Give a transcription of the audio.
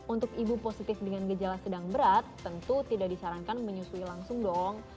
untuk ibu positif dengan gejala sedang berat tentu tidak disarankan menyusui langsung dong